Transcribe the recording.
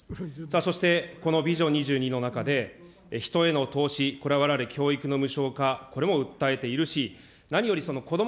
そして、このビジョン２２の中で、人への投資、これはわれわれ教育の無償化、これも訴えているし、何よりこども・